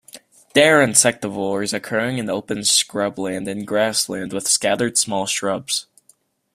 They are insectivores occurring in open scrubland and grassland with scattered small shrubs.